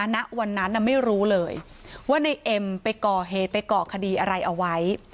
ณวันนั้นไม่รู้เลยว่าในเอ็มไปก่อเหตุไปก่อคดีอะไรเอาไว้